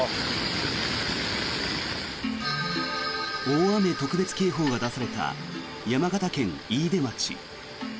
大雨特別警報が出された山形県飯豊町。